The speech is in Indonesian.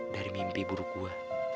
dari mimpi buruk gue